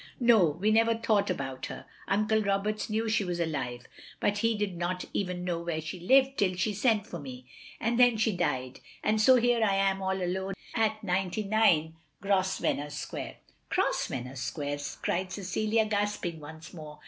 "No, we never thought about her. Uncle Roberts knew she was alive, but he did not even know where she lived, till she sent for me; and OP GROSVENOR SQUARE 171 then she died; and so here I am, all alone, at 99 Grosvenor Square. " "Grosvenor Square!" cried Cecilia, gasping once more.